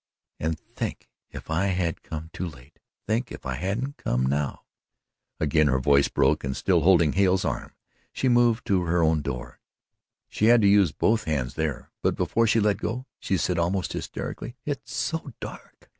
and think if I had come too late think if I hadn't come now!" Again her voice broke and still holding Hale's arm, she moved to her own door. She had to use both hands there, but before she let go, she said almost hysterically: "It's so dark!